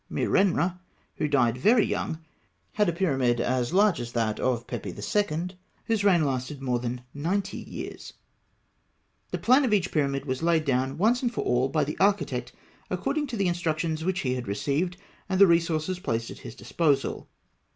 Merenra, who died very young, had a pyramid as large as that of Pepi II., whose reign lasted more than ninety years (Note 16). The plan of each pyramid was laid down, once for all, by the architect, according to the instructions which he had received, and the resources placed at his disposal.